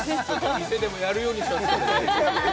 店でもやるようにしよう